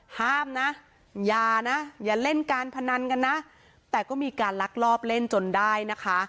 ห้ามนะอย่านะอย่าเล่นการพนันกันนะแต่ก็มีการลักลอบเล่นจนได้นะคะ